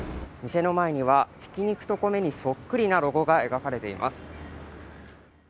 店の前には、挽肉と米とそっくりなロゴが描かれています。